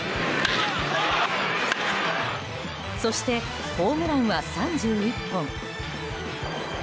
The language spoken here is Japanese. そして、ホームランは３１本。